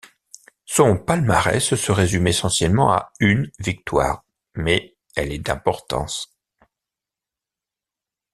Son palmarès se résume essentiellement à une victoire, mais elle est d'importance.